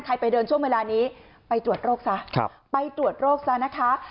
ไปเดินช่วงเวลานี้ไปตรวจโรคซะไปตรวจโรคซะนะคะ